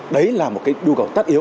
đấy là một cái đu cầu tắt yếu